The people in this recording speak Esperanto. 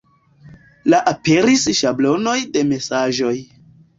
La aperis ŝablonoj de mesaĝoj.